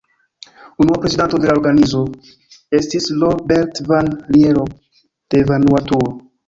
Unua prezidanto de la organizo estis Robert Van Lierop de Vanuatuo.